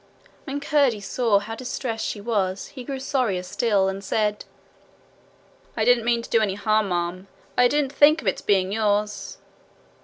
When Curdie saw how distressed she was he grew sorrier still, and said: 'I didn't mean to do any harm, ma'am. I didn't think of its being yours.'